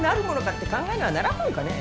って考えにはならんもんかね。